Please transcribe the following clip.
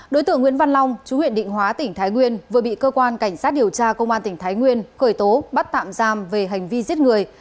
đối tượng nguyễn văn long chú huyện định hóa tỉnh thái nguyên vừa bị cơ quan cảnh sát điều tra công an tỉnh thái nguyên khởi tố bắt tạm giam về hành vi giết người